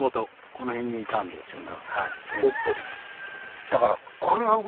この辺にいたんですよね。